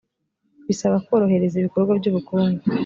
bisaba korohereza ibikorwa by ubukungu